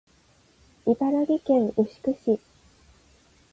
茨城県牛久市